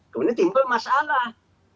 kemudian timbul masalah